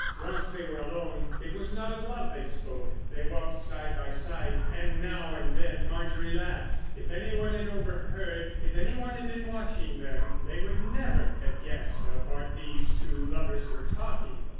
Once they were alone it was not of love they spoke. They walked side by side, and now and then Marjorie laughed. If anyone had overheard, if anyone had been watching them, they would never have guessed of what these two lovers were talking.